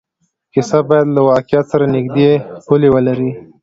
کیسه باید له واقعیت سره نږدې پولې ولري.